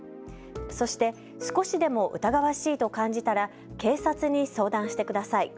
そして少しでも疑わしいと感じたら警察に相談してください。